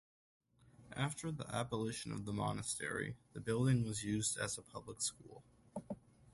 After the abolition of the monastery, the building was used as a public school.